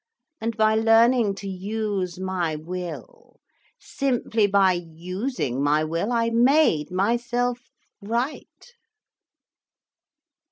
And by learning to use my will, simply by using my will, I made myself right."